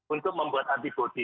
untuk membuat antibody